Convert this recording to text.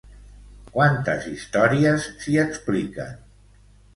Quantes històries s'hi expliquen?